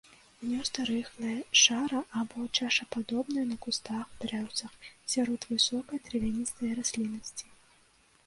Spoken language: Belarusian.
Гнёзды рыхлыя, шара- або чашападобныя на кустах, дрэўцах, сярод высокай травяністай расліннасці.